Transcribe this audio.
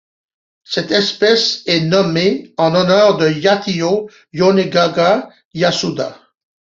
Cette espèce est nommée en l'honneur de Yatiyo Yonenaga-Yassuda.